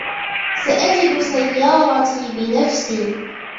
سأجد سيارتي بنفسي.